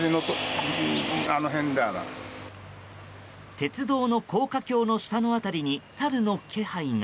鉄道の高架橋の下辺りにサルの気配が。